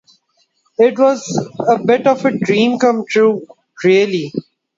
It was a bit of a dream come true, really.